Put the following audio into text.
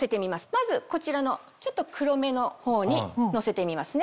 まずこちらのちょっと黒めの方に乗せてみますね。